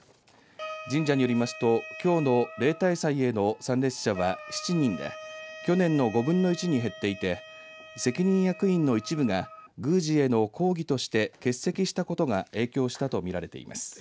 神社によりますときょうの例大祭への参列者は７人で去年の５分の１に減っていて責任役員の一部が宮司への抗議として欠席したことが影響したとみられています。